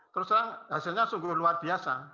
terus terang hasilnya sungguh luar biasa